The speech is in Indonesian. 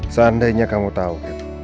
seandainya kamu tau gitu